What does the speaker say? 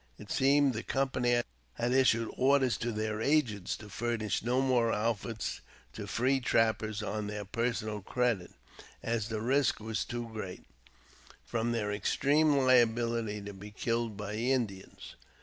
It seemed the company had issued orders to their agents to furnish no more outfits to JAMES P. BECKWOVBTH. 311 free trappers on their personal credit, as the risk was too great, from their extreme liabiHty to be killed by the Indians.